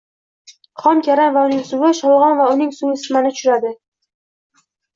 Xom karam va uning suvi, sholg‘om va uning suvi isitmani tushiradi.